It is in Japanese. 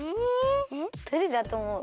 どれだとおもう？